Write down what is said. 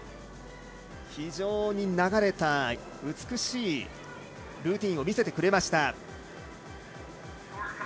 非常に流れた美しいルーティンを見せてくれました。